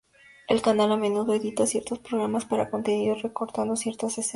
El canal a menudo edita ciertos programas para contenido, recortando ciertas escenas de ellos.